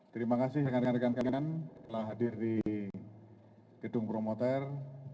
terima kasih rekan rekan kami telah hadir di gedung promoter